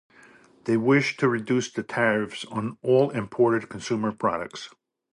They wished to reduce the tariffs on all imported consumer products.